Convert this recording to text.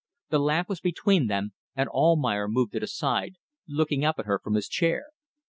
The lamp was between them, and Almayer moved it aside, looking up at her from his chair.